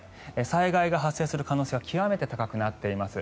災害が発生する可能性が極めて高くなっています。